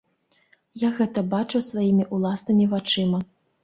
Я гэта бачыў сваімі ўласнымі вачыма.